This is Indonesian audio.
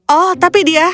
oh tapi dia